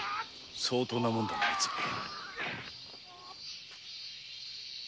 相当なもんだぜあいつは。